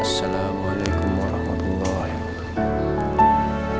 assalamualaikum warahmatullahi wabarakatuh